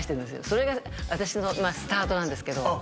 それが私のスタートなんですけどあっ